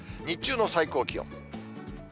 日中の最高気温。